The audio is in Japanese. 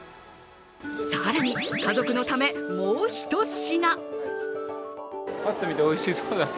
更に、家族のためもうひと品。